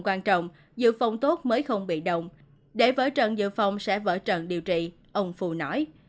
quan trọng dự phòng tốt mới không bị động để vỡ trận dự phòng sẽ vỡ trận điều trị ông phu nói